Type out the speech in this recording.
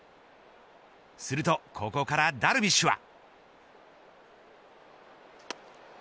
するとここからダルビッシュは。